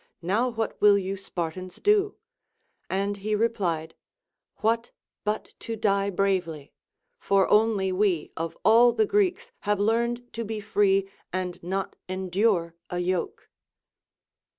Now what will you Spartans do ^ And he replied : What, but to die bravely ^ for only we of all the Greeks have learned to be free and not endure a yoke.